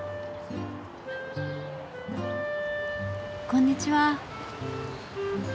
こんにちは。